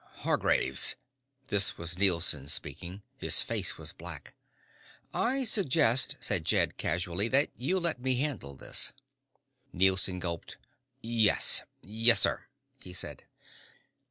"Hargraves " This was Nielson speaking. His face was black. "I suggest," said Jed casually, "that you let me handle this." Nielson gulped. "Yes. Yes, sir," he said.